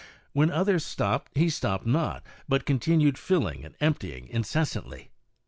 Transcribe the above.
"When others stopped he stopped not, but continued filling and emptying incessantly.